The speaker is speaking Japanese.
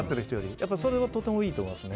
それはとてもいいと思います。